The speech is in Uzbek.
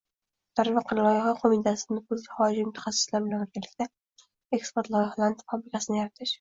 Darvoqe, Loyiha qo‘mitasida nufuzli xorijiy mutaxassislar bilan birgalikda «eksport loyihalari fabrikasi»ni yaratish